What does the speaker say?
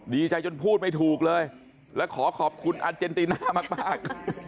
ดีใจจนพูดไม่ถูกเลยและขอขอบคุณอาเจนติน่ามาก